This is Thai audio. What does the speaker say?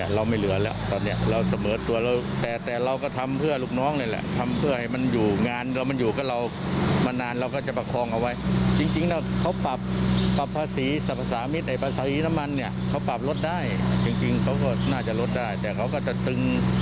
แล้วก็น่าจะลดได้แต่เขาก็จะตึง